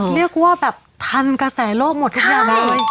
เรียกว่าแบบทันกระแสโลกหมดทุกอย่างเลย